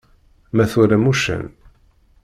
Ma twalam uccen.